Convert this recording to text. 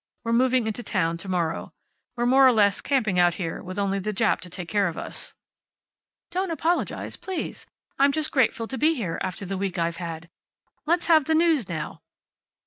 We're moving into town to morrow. We're more or less camping out here, with only the Jap to take care of us." "Don't apologize, please. I'm grateful just to be here, after the week I've had. Let's have the news now."